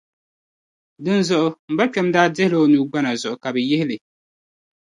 Dinzuɣu, M-bakpɛm daa dihi la o nuu gbana zuɣu ka bɛ yihi li